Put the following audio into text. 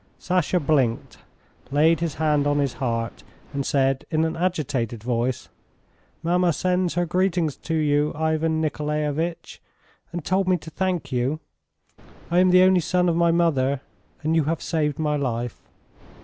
Sasha blinked, laid his hand on his heart and said in an agitated voice: "Mamma sends her greetings to you, Ivan Nikolaevitch, and told me to thank you. ... I am the only son of my mother and you have saved my life